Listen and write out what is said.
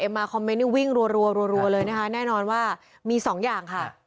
เอ็มมาคอมเม้นวิ่งรัวรัวเลยนะคะแน่นอนว่ามี๒อย่างค่ะ